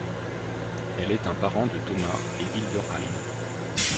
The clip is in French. Elle est un parent de Thomas et Wilbur Heine.